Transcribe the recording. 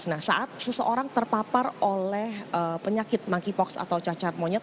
nah saat seseorang terpapar oleh penyakit monkeypox atau cacar monyet